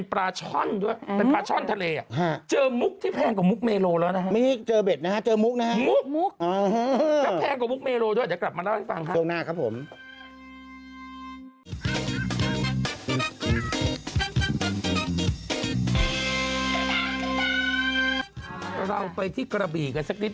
ครั้งหนึ่งคนออกตามหามุกเมโล